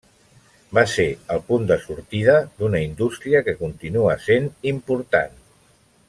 Va ser el punt de sortida d'una indústria que continua sent important.